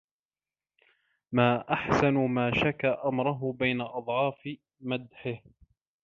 مَا أَحْسَنَ مَا شَكَا أَمْرَهُ بَيْنَ أَضْعَافِ مَدْحِهِ